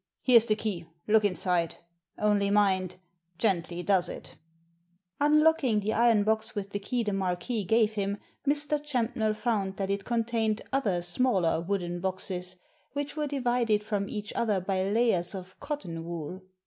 Here's the key, look inside —only mind, gently does it" Unlocking the iron box with the key the Marquis gave him, Mr. Champnell found that it contained other smaller wooden boxes, which were divided from each other by layers of cotton wool.